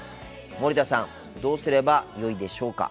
森田さんどうすればよいでしょうか。